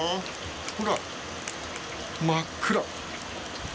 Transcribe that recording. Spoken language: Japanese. ほら、真っ暗。